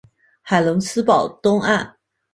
海伦斯堡东岸。